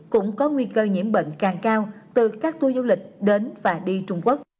cũng có nguy cơ nhiễm bệnh càng cao từ các tour du lịch đến và đi trung quốc